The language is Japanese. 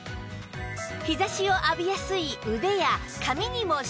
日差しを浴びやすい腕や髪にもシュッ